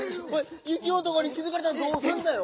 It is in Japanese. ゆきおとこに気づかれたらどうすんだよ？